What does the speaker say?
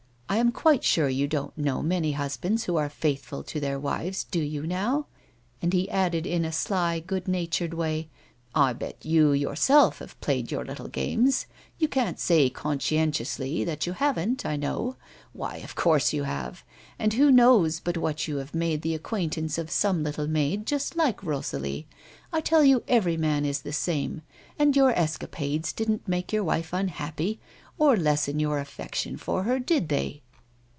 I am quite sure you don't know many husbands who are faithful to their wives, do you now?" And he added in a. sly, good natured way :" I bet you, yourself, have played your little games ; you can't say con scientiously that you haven't, I know ! Why of course you have ! And who knows but what you have made the ac quaintance of some little maid just like Rosalie. I tell you every man is the same. And your escapades didn't make your wife unhappy, or lessen your affection for her ; did they?"